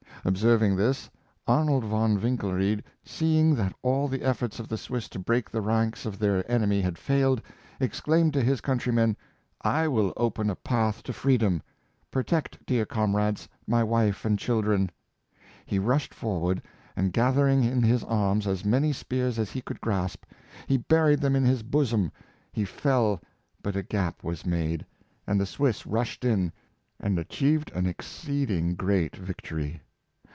Observing this, Arnold von Winkelried, seeing that all the efforts of the Swiss to break the ranks of their enemy had failed, exclaim ed to his countrymen, " I will open a path to freedom! Protect, dear comrades, my wife and children!" He 286 Dr, Livingstone, rushed forward, and, gathering in his arms as many spears as he could grasp, he buried them in his bosom. He fell, but a gap was made, and the Swiss rushed in, and achieved an exceeding great victory.